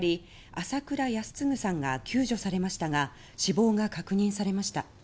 朝倉泰嗣さんが救助されましたが死亡が確認されました。